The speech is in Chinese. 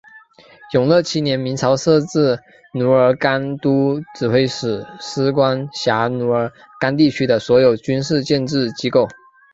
永乐七年明朝设置奴儿干都指挥使司管辖奴儿干地区的所有军事建制机构。